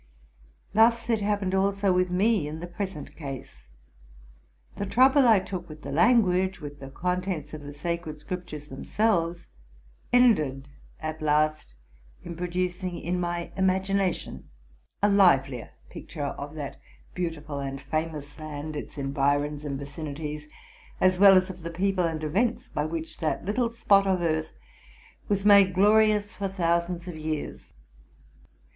Thus it happened also with me in the present case. The trouble I took with the language, with the contents of the Sacred Scriptures them selves, ended at last in producing in my imagination a livelier picture of that beautiful and famous land, its environs and its vicinities, as well as of the people and events by which that little spot of earth was made glorious for thousands of years.